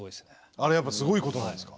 あれやっぱすごいことなんですか？